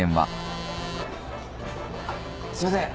あっすいません